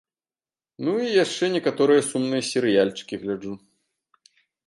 Ну і яшчэ некаторыя сумныя серыяльчыкі гляджу.